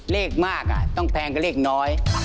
เลขมากต้องแพงกับเลขน้อย